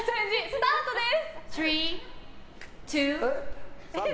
スタートです！